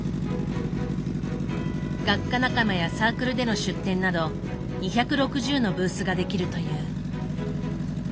学科仲間やサークルでの出展など２６０のブースができるという。